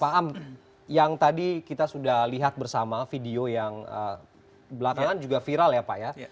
pak am yang tadi kita sudah lihat bersama video yang belakangan juga viral ya pak ya